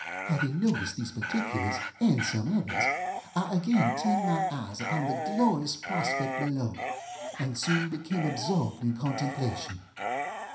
Having noticed these particulars, and some others, I again turned my eyes upon the glorious prospect below, and soon became absorbed in contemplation.